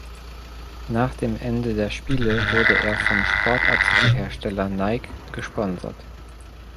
Nach dem Ende der Spiele wurde er vom Sportartikelhersteller Nike gesponsert.